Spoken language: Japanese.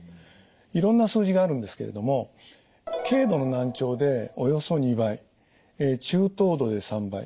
いろんな数字があるんですけれども軽度の難聴でおよそ２倍中等度で３倍